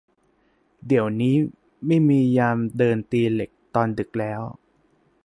เดี๋ยวนี้ไม่มียามเดินตีเหล็กตอนดึกแล้ว